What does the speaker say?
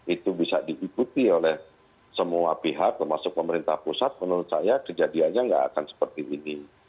itu bisa diikuti oleh semua pihak termasuk pemerintah pusat menurut saya kejadiannya nggak akan seperti ini